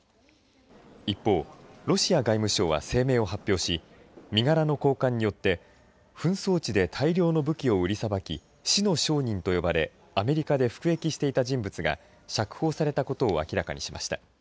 一方ロシア外務省は声明を発表し身柄の交換によって紛争地で大量の武器を売りさばき死の商人と呼ばれアメリカで服役していた人物が釈放されたことを明らかにしました。